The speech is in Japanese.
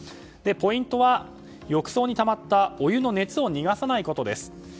ポイントは浴槽にたまったお湯の熱を逃がさないことです。